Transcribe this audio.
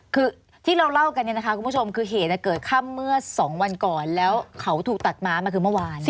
คือที่เราเล่ากันเนี่ยนะคะคุณผู้ชมคือเหตุเกิดค่ำเมื่อ๒วันก่อนแล้วเขาถูกตัดม้ามาคือเมื่อวาน